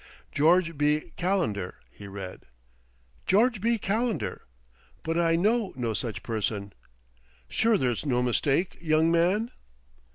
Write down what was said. "'George B. Calendar,'" he read. "'George B. Calendar!' But I know no such person. Sure there's no mistake, young man?"